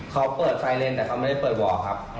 เขาเปิดไซเลนแต่เขาไม่ได้เปิดวอร์ครับ